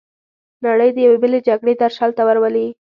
نړۍ د یوې بلې جګړې درشل ته ورولي.